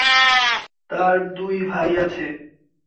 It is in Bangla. তাঁর দুই ভাই আছে।